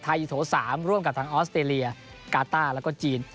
อยู่โถ๓ร่วมกับทางออสเตรเลียกาต้าแล้วก็จีน